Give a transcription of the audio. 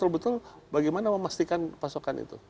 bagaimana memastikan pasokan itu